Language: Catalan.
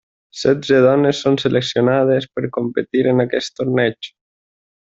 Setze dones són seleccionades per competir en aquests torneigs.